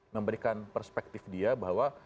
memberikan perspektif dia bahwa